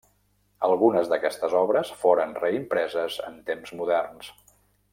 Algunes d'aquestes obres foren reimpreses en temps moderns.